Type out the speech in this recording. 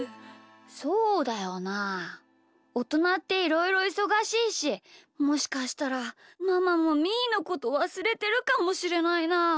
そうだよなあおとなっていろいろいそがしいしもしかしたらママもみーのことわすれてるかもしれないな。